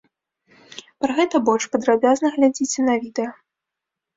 Пра гэта больш падрабязна глядзіце на відэа.